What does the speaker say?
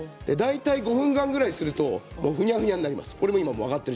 ５分ぐらいするとふにゃふにゃになります。